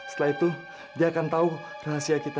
setelah itu dia akan tahu rahasia kita